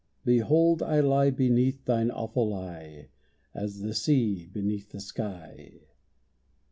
Behold, I lie Beneath Thine awful eye, As the sea beneath the sky.